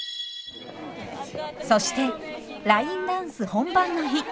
そしてラインダンス本番の日。